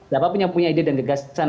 siapa pun yang punya ide dan gagasan